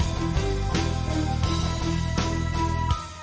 ก็ไม่น่าจะดังกึ่งนะ